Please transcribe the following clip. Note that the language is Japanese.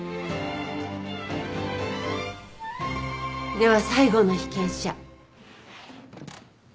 では最後の被験者。